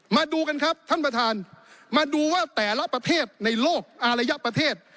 มาดูกันครับท่านประธานมาดูว่าแต่ละประเทศในโลกอารยประเทศ